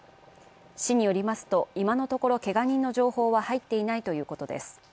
市によりますと、今のところけが人の情報は入っていないということです。